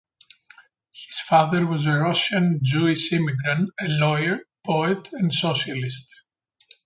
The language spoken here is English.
His father was a Russian Jewish immigrant, a lawyer, poet and socialist.